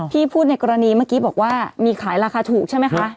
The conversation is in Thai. พูดในกรณีเมื่อกี้บอกว่ามีขายราคาถูกใช่ไหมคะ